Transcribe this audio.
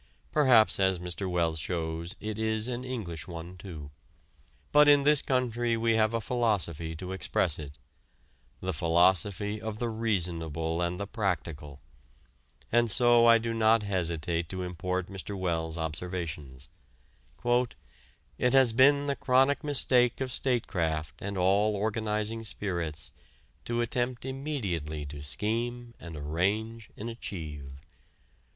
Perhaps as Mr. Wells shows it is an English one too. But in this country we have a philosophy to express it the philosophy of the Reasonable and the Practical, and so I do not hesitate to import Mr. Wells's observations: "It has been the chronic mistake of statecraft and all organizing spirits to attempt immediately to scheme and arrange and achieve.